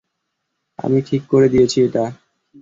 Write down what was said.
আমি ঠিক করে দিয়েছি এটা।